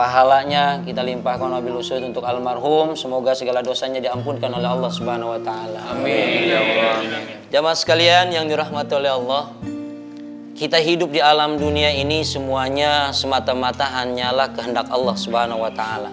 sama sekali hidup di alam dunia ini semuanya semata mata hanyalah kehendak allah swt